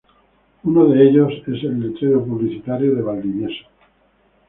Uno de ellos es el letrero publicitario de Valdivieso.